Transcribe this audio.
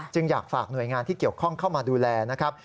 อยากฝากหน่วยงานที่เกี่ยวข้องเข้ามาดูแลนะครับ